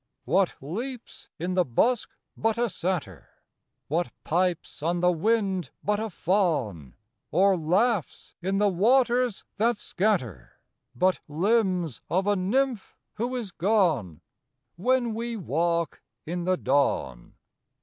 What leaps in the bosk but a satyr? What pipes on the wind but a faun? Or laughs in the waters that scatter, But limbs of a nymph who is gone, When we walk in the dawn?